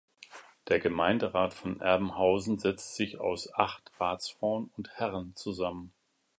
Der Gemeinderat von Erbenhausen setzt sich aus acht Ratsfrauen und -herren zusammen.